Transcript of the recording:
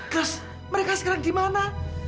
klaus mereka sekarang di mana